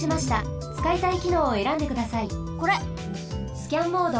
スキャンモード。